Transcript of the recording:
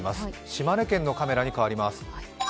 島根県のカメラに変わります。